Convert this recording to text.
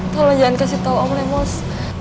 kalau jangan kasih tau om lemos